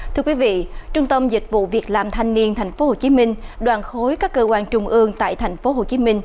thưa quý vị trung tâm dịch vụ việc làm thanh niên tp hcm đoàn khối các cơ quan trung ương tại tp hcm